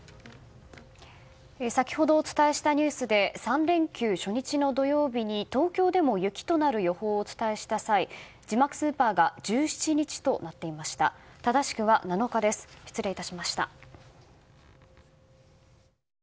先ほどお伝えしたニュースで３連休初日の土曜日に東京でも雪となる予報をお伝えした際字幕スーパーが１７日となっていました。